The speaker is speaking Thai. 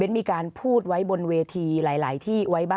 ขอบคุณครับ